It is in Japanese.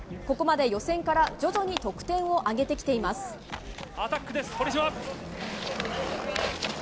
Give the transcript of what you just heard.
ここまで予選から徐々に得点を上げてきています。